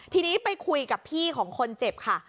ทีนี้ไปคุยกับพี่ของคนเจ็บค่ะ